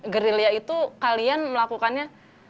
gerilya itu kalian melakukannya